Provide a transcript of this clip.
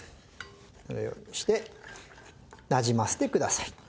このようにしてなじませてください。